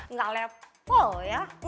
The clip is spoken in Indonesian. nggak lepo ya